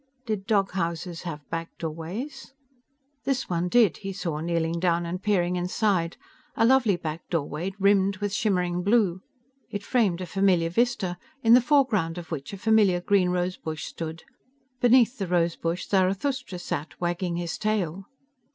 Did dog houses have back doorways? This one did, he saw, kneeling down and peering inside. A lovely back doorway, rimmed with shimmering blue. It framed a familiar vista, in the foreground of which a familiar green rosebush stood. Beneath the rosebush Zarathustra sat, wagging his tail.